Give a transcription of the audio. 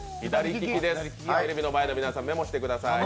テレビの前の皆さんメモしてください。